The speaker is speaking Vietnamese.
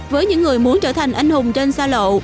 với những người muốn trở thành anh hùng trên xa lộ